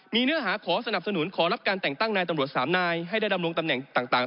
มีเนื้อหาขอสนับสนุนขอรับการแต่งตั้งนายตำรวจสามนายให้ได้ดำรงตำแหน่งต่าง